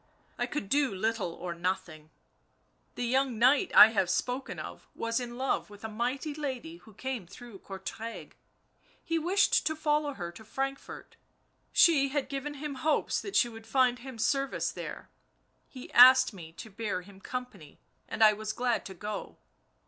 I could do little or nothing. ... The young knight I have spoken of was in love with a mighty lady who came through Courtrai, he wished to follow her to Frankfort, she had given him hopes that she would find him service there — he asked me to bear him company, and I was glad to go